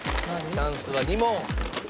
チャンスは２問。